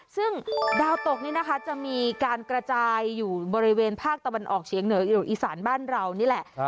ซึ่งดาวตกนี่นะคะจะมีการกระจายอยู่บริเวณภาคตะวันออกเฉียงเหนืออยู่อีสานบ้านเรานี่แหละ